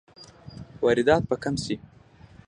واردات به کم شي؟